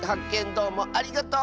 どうもありがとう！